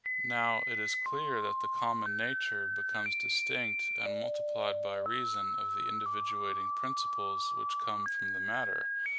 Now it is clear that common nature becomes distinct and multiplied by reason of the individuating principles which come from the matter.